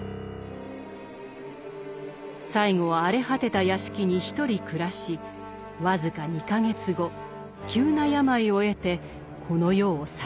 最後は荒れ果てた屋敷に一人暮らし僅か２か月後急な病を得てこの世を去りました。